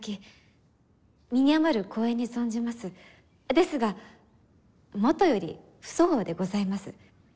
ですがもとより不相応でございます。